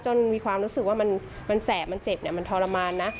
มีความรู้สึกว่ามันแสบมันเจ็บมันทรมานนะ